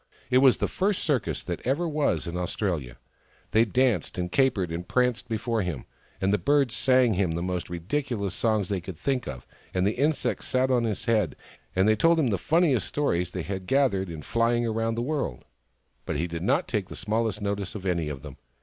It was the first circus that ever was in Australia. They danced and capered and pranced before him, and the birds sang him the most ridicu lous songs they could think of, and the insects sat on his head and told him the funniest stories they had gathered in flying round the world : but he did not take the smallest notice of any of them.